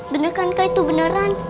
bener kankah itu beneran